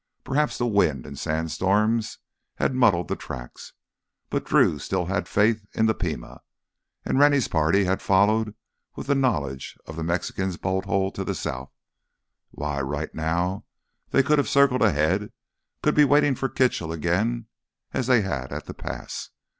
Perhaps the wind and sand storms had muddled the tracks, but Drew still had faith in the Pima. And Rennie's party had followed with the knowledge of the Mexican's bolt hole to the south. Why, right now they could have circled ahead—could be waiting for Kitchell again as they had at the pass.